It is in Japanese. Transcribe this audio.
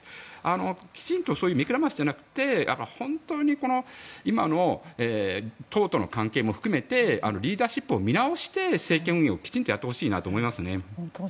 きちんと目くらましじゃなくて本当に、今の党との関係も含めてリーダーシップを見直して政権運営をきちんとやってほしいなと思いますね。